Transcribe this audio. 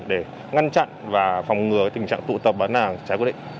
để ngăn chặn và phòng ngừa tình trạng tụ tập bán hàng trái quy định